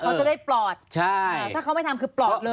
เขาจะได้ปลอดถ้าเขาไม่ทำคือปลอดเลย